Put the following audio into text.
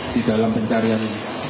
di dalam pencarian